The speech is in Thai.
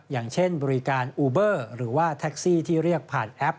อย่างเช่นบริการอูเบอร์หรือว่าแท็กซี่ที่เรียกผ่านแอป